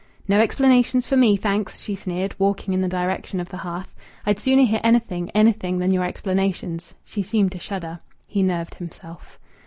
"No explanations for me, thanks!" she sneered, walking in the direction of the hearth. "I'd sooner hear anything, anything, than your explanations." She seemed to shudder. He nerved himself.